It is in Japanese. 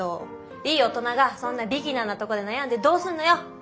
いい大人がそんなビギナーなとこで悩んでどうすんのよ。